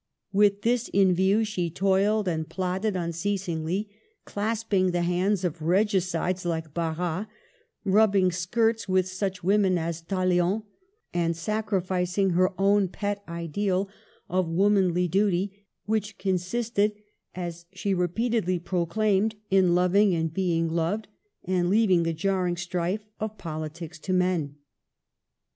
With this in view she toiled and plotted un ceasingly, clasping the hands of regicides like • Barras, rubbing skirts with such women as Tal lien, and sacrificing her own pet ideal of womanly dlity, which consisted, as she repeatedly pn> claimed, in loving and being loved, and leaving the jarring strife of politics to men.